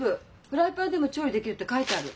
フライパンでも調理できるって書いてある。